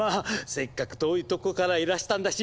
せっかく遠いとこからいらしたんだし。